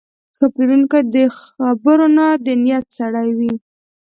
ښه پلورونکی د خبرو نه، د نیت سړی وي.